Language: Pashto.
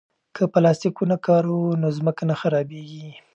که پلاستیک ونه کاروو نو ځمکه نه خرابېږي.